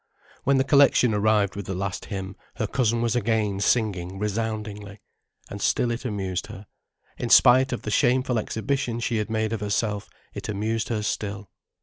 When the collection arrived with the last hymn, her cousin was again singing resoundingly. And still it amused her. In spite of the shameful exhibition she had made of herself, it amused her still.